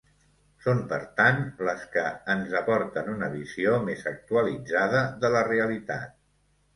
Són, per tant, les que ens aporten una visió més actualitzada de la realitat.